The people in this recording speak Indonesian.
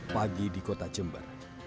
pagi di kota jember